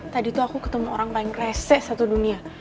tadi tuh aku ketemu orang paling reseh satu dunia